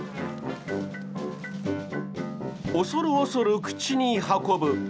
恐る恐る口に運ぶ。